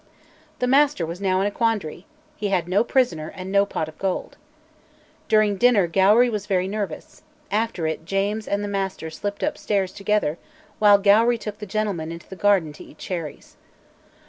The Master was now in a quandary: he had no prisoner and no pot of gold. During dinner Gowrie was very nervous; after it James and the Master slipped upstairs together while Gowrie took the gentlemen into the garden to eat cherries.